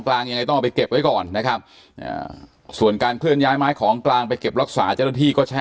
กฎหมาย